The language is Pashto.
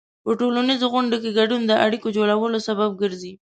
په ټولنیزو غونډو کې ګډون د اړیکو جوړولو سبب ګرځي.